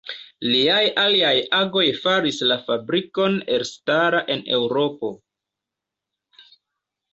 Liaj aliaj agoj faris la fabrikon elstara en Eŭropo.